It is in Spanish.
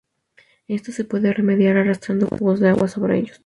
Esto se puede remediar arrastrando cubos de agua sobre ellos.